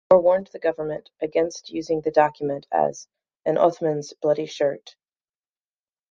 He forewarned the government against using the document as "an Othman's bloody shirt".